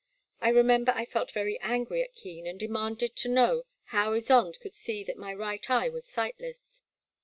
I remember I felt very angry at Keen, and demanded to know how Ysonde could see that my right eye was sightless.